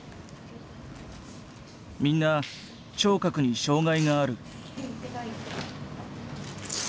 みんな聴覚に障害がある。